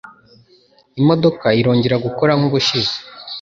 Imodoka irongera gukora nkubushize.